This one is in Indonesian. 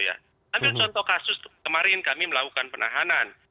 ambil contoh kasus kemarin kami melakukan penahanan